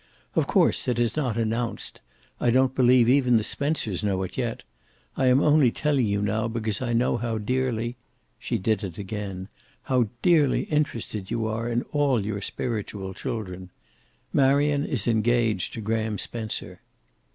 "Of course it is not announced I don't believe even the Spencers know it yet. I am only telling you now because I know how dearly" she did it again "how dearly interested you are in all your spiritual children. Marion is engaged to Graham Spencer."